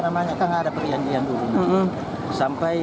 namanya kan ada perjanjian dulu sampai